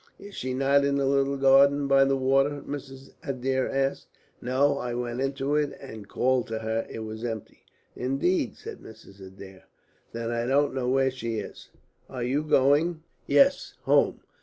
"Is she not in the little garden by the water?" Mrs. Adair asked. "No. I went into it and called to her. It was empty." "Indeed?" said Mrs. Adair. "Then I don't know where she is. Are you going?" "Yes, home."